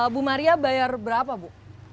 bu maria bayar berapa bu